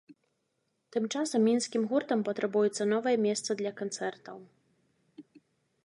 Тым часам мінскім гуртам патрабуецца новае месца для канцэртаў.